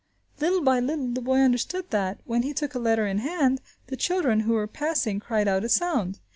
r, r, r !" Little by little the baby understood that, when he took a letter in hand, the children, who were passing, cried out a sound.